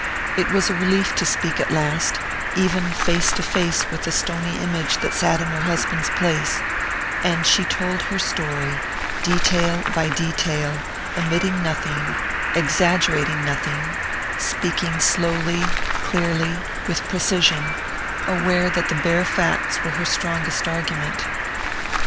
It was a relief to speak at last, even face to face with the stony image that sat in her husband's place; and she told her story, detail by detail, omitting nothing, exaggerating nothing, speaking slowly, clearly, with precision, aware that the bare facts were her strongest argument.